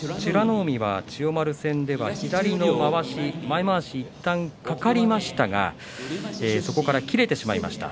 海は千代丸戦では左のまわし前まわしいったん、かかりましたがそこから切れてしまいました。